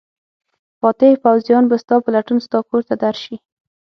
فاتح پوځیان به ستا په لټون ستا کور ته درشي.